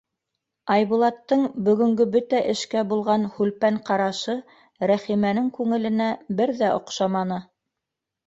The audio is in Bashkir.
Айбулаттың бөгөнгө бөтә эшкә булған һүлпән ҡарашы Рәхимәнең күңеленә бер ҙә оҡшаманы.